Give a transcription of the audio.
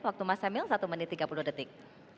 waktu mas emil satu menit tiga puluh detik